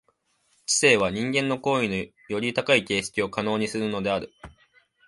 知性は人間の行為のより高い形式を可能にするのである。